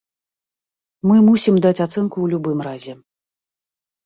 Мы мусім даць ацэнку ў любым разе.